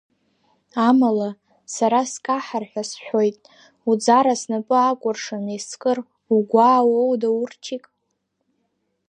Амала, сара скаҳар ҳәа сшәоит, уӡара снапы акәыршаны искыр угәаауоу, Даурчик?!